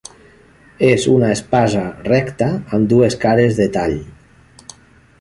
És una espasa recta amb dues cares de tall.